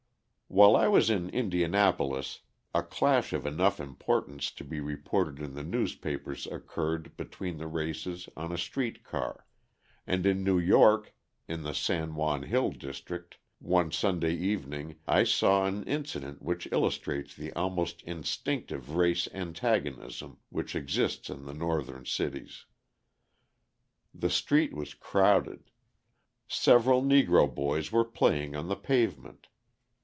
While I was in Indianapolis a clash of enough importance to be reported in the newspapers occurred between the races on a street car; and in New York, in the San Juan Hill district, one Sunday evening I saw an incident which illustrates the almost instinctive race antagonism which exists in Northern cities. The street was crowded. Several Negro boys were playing on the pavement.